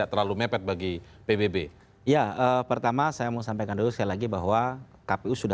tetap lagi bersama prime news